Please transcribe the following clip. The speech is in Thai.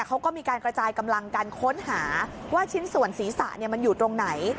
เขาก็มีการกระจายกำลังกันค้นหาว่าชิ้นส่วนศีรษะมันอยู่ตรงไหน